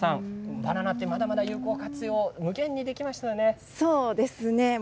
バナナってまだまだ有効活用無限にできますよね。